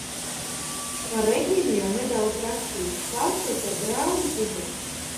Par Regīnu jau nedaudz rakstīju, stāstot par brāli Hugo.